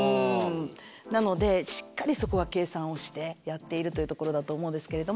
なのでしっかりそこは計算をしてやっているというところだと思うんですけれども。